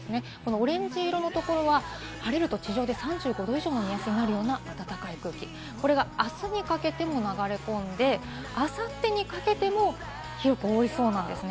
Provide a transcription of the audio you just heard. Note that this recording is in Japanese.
オレンジ色のところは晴れると地上で３５度以上の目安となるような暖かい空気、あすにかけても流れ込んで、あさってにかけても広く覆いそうなんです。